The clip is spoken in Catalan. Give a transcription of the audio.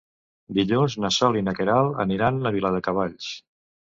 Dilluns na Sol i na Queralt aniran a Viladecavalls.